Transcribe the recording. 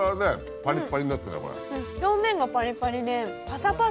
表面がパリパリで。